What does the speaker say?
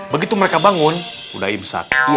begitu mereka bangun udah imsak